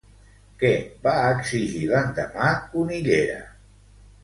Què va exigir l'endemà Cunillera?